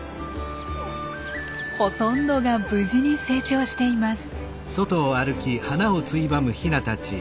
ほとんどが無事に成長しています。